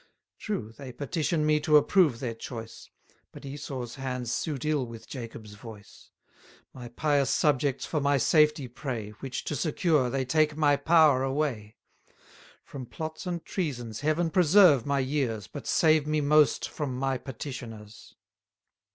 980 True, they petition me to approve their choice: But Esau's hands suit ill with Jacob's voice. My pious subjects for my safety pray, Which to secure, they take my power away. From plots and treasons Heaven preserve my years, But save me most from my petitioners!